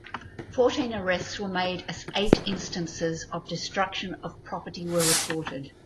Fourteen arrests were made as eight instances of destruction of property were reported.